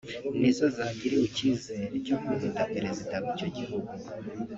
ni zo zagiriwe icyizere cyo kurinda Perezida w’icyo gihugu